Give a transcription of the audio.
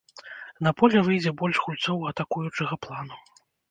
На поле выйдзе больш гульцоў атакуючага плану.